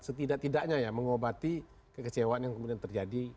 setidak tidaknya ya mengobati kekecewaan yang kemudian terjadi